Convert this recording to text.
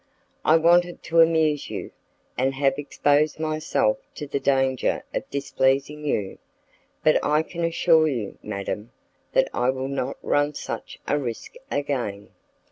"I wanted to amuse you, and have exposed myself to the danger of displeasing you, but I can assure you, madam, that I will not run such a risk again."